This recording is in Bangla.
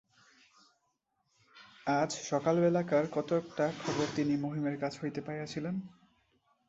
আজ সকালবেলাকার কতকটা খবর তিনি মহিমের কাছ হইতে পাইয়াছিলেন।